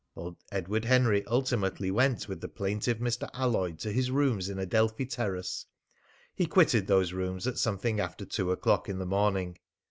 Edward Henry ultimately went with the plaintive Mr. Alloyd to his rooms in Adelphi Terrace. He quitted those rooms at something after two o'clock in the morning.